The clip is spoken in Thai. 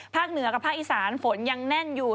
เหนือกับภาคอีสานฝนยังแน่นอยู่